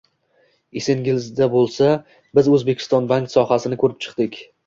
Esingizda bo'lsa, biz O'zbekiston bank sohasini ko'rib chiqdik